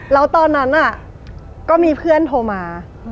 แล้วตอนนั้นก็มีเพื่อนโทรมา